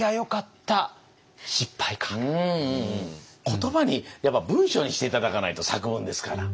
言葉にやっぱ文章にして頂かないと作文ですから。